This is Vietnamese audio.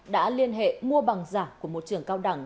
đã liên hệ mua bằng giả của một trường cao đẳng